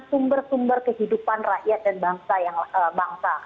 sumber sumber kehidupan rakyat dan bangsa